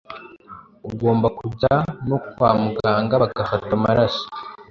ugomba kujya no kwa muganga bagafata amaraso